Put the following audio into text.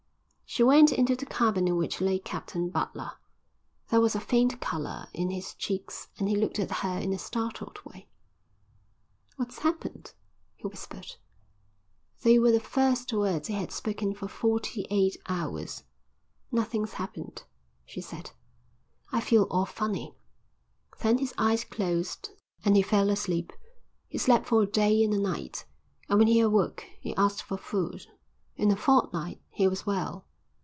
She went into the cabin in which lay Captain Butler. There was a faint colour in his cheeks and he looked at her in a startled way. "What's happened?" he whispered. They were the first words he had spoken for forty eight hours. "Nothing's happened," she said. "I feel all funny." Then his eyes closed and he fell asleep. He slept for a day and a night, and when he awoke he asked for food. In a fortnight he was well.